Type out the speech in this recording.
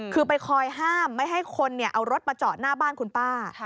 คือไปคอยห้ามไม่ให้คนเอารถมาจอดหน้าบ้านคุณป้า